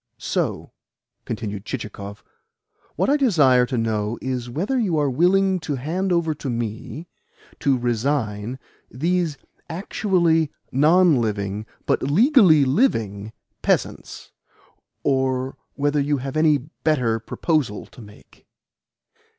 "So," continued Chichikov, "what I desire to know is whether you are willing to hand over to me to resign these actually non living, but legally living, peasants; or whether you have any better proposal to make?"